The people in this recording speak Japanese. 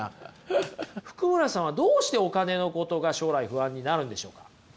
福村さんはどうしてお金のことが将来不安になるんでしょうか？